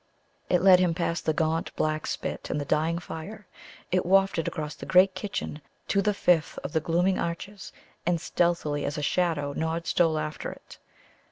It led him past the gaunt black spit and the dying fire. It wafted across the great kitchen to the fifth of the gloomy arches, and stealthily as a shadow Nod stole after it.